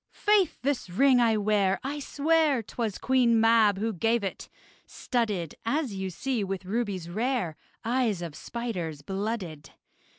Faith! this ring I wear, I swear, 'Twas Queen Mab who gave it: studded, As you see, with rubies rare Eyes of spiders blooded.